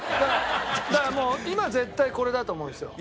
だからもう今絶対これだと思うんですよ。